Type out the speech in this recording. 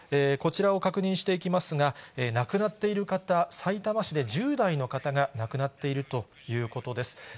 こちらを確認していきますが、亡くなっている方、さいたま市で１０代の方が亡くなっているということです。